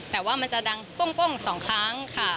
แต่ว่ามันจะดังโป้งสองครั้งค่ะ